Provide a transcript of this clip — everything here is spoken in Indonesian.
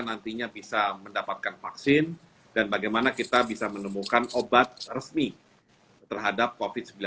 nantinya bisa mendapatkan vaksin dan bagaimana kita bisa menemukan obat resmi terhadap covid sembilan belas